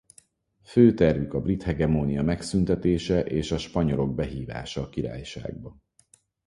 Fő tervük a brit hegemónia megszüntetése és a spanyolok behívása a királyságba.